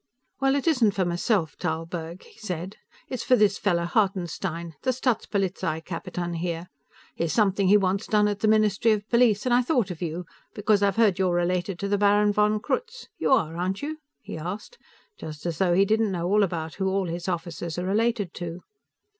"Well, it isn't for myself, Tarlburg," he said. "It's for this fellow Hartenstein, the Staatspolizeikapitan here. He has something he wants done at the Ministry of Police, and I thought of you because I've heard you're related to the Baron von Krutz. You are, aren't you?" he asked, just as though he didn't know all about who all his officers are related to.